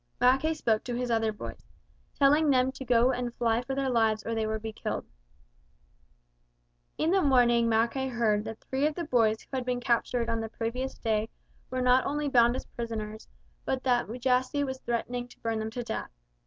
Mackay spoke to his other boys, telling them to go and fly for their lives or they would be killed. In the morning Mackay heard that three of the boys who had been captured on the previous day were not only bound as prisoners, but that Mujasi was threatening to burn them to death.